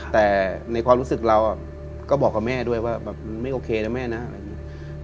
แต่ในความรู้สึกเราก็บอกกับแม่ด้วยว่าแบบมันไม่โอเคนะแม่นะอะไรอย่างนี้